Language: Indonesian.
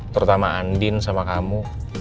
terutama andi sama kamu